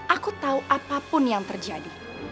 aku tahu apapun yang terjadi